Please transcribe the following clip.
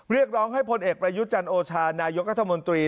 เรียกร้องให้ผลเอกระยุจรรโอชานายกรรมนตรี